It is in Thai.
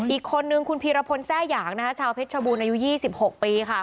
อีกคนนึงคุณพีรพลแทร่หยางนะคะชาวเพชรชบูรณอายุ๒๖ปีค่ะ